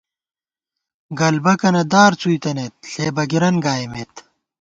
گلبَکَنہ دار څُوئی تنَئیت ، ݪے بَگِرَن گائیمېت